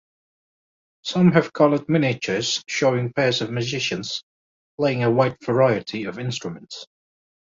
Some have colored miniatures showing pairs of musicians playing a wide variety of instruments.